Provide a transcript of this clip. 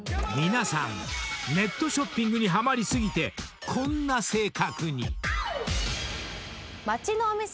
［皆さんネットショッピングにハマり過ぎてこんな性格に］